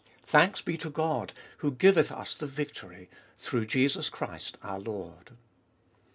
Thanks be to God who giveth us the victory, through Jesus Christ our Lord."